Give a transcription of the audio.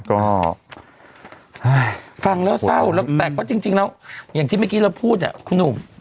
ก็ฟังแล้วเศร้าแล้วแต่ก็จริงแล้วอย่างที่เมื่อกี้เราพูดเนี่ยคุณหนุ่ม